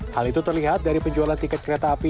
hal itu terlihat dari penjualan tiket kereta api